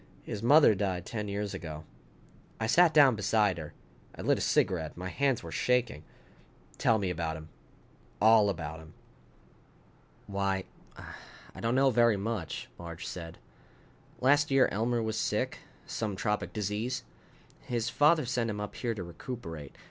His mother died ten years ago." I sat down beside her. I lit a cigarette. My hands were shaking. "Tell me about him. All about him." "Why, I don't know very much," Marge said. "Last year Elmer was sick, some tropic disease. His father sent him up here to recuperate.